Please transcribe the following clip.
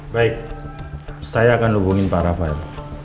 baik saya akan hubungin pak rafael